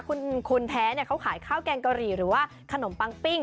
คุณแท้เขาขายข้าวแกงกะหรี่หรือว่าขนมปังปิ้ง